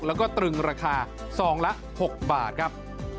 แล้วก็ตรึงราคาซองละ๖บาทครับ